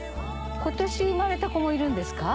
今年生まれた子もいるんですか？